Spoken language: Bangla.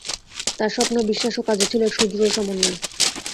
তাঁর স্বপ্ন, বিশ্বাস ও কাজে ছিল এক সুদৃঢ় সমন্বয়।